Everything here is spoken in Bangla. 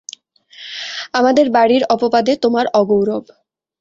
আমাদের বাড়ির অপবাদে তোমার অগৌরব।